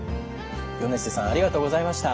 米瀬さんありがとうございました。